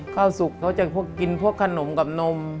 ข้าวสุกเขาจะกินพวกขนมกับนม